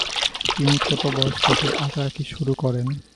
তিনি ছোট বয়স থেকেই আঁকাআঁকি শুরু করেন।